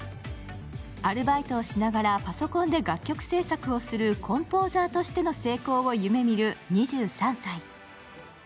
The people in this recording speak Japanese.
アルバイトをしながらパソコンで楽曲制作をするコンポーザーとしての成功を夢見る２３歳。